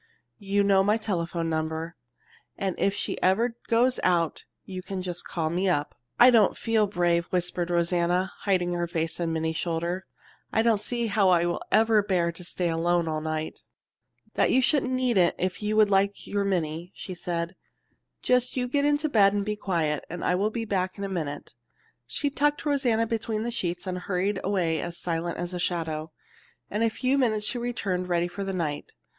You know my telephone number, and if she ever goes out you just call me up." "I don't feel brave," whispered Rosanna, hiding her face on Minnie's shoulder. "I don't see how I will ever bear to stay alone all night." "That you needn't if you would like your Minnie," said she. "Just you get into your bed and be quiet, and I will be back in a minute." She tucked Rosanna between the sheets, and hurried away as silent as a shadow. In a few minutes she returned, ready for the night.